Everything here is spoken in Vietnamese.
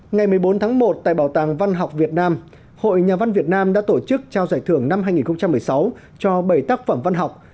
ngày một mươi bốn tháng một tại bảo tàng văn học việt nam hội nhà văn việt nam đã tổ chức trao giải thưởng năm hai nghìn một mươi sáu cho bảy tác phẩm văn học